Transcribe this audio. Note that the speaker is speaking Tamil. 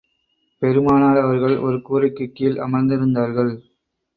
பெருமானார் அவர்கள் ஒரு கூரைக்குக் கீழ் அமர்ந்திருந்தார்கள்.